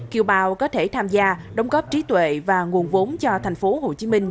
kiều bào có thể tham gia đóng góp trí tuệ và nguồn vốn cho thành phố hồ chí minh